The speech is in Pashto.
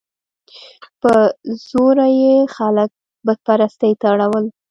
په زوره یې خلک بت پرستۍ ته اړول.